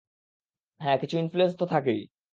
হ্যাঁ, কিছু ইনফ্লুয়েন্স তো থাকেই।